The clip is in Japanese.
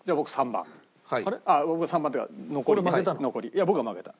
いや僕が負けた。